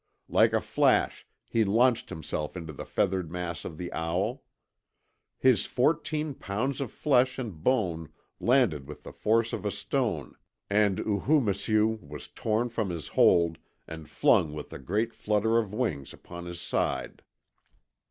Like a flash he launched himself into the feathered mass of the owl. His fourteen pounds of flesh and bone landed with the force of a stone, and Oohoomisew was torn from his hold and flung with a great flutter of wings upon his side.